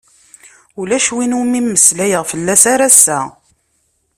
Ulac win umi meslayeɣ fell-as ar ass-a.